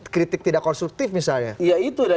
kritik tidak konstruktif misalnya